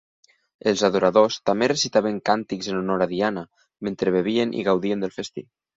Els adoradors també recitaven càntics en honor a Diana, mentre bevien i gaudien del festí.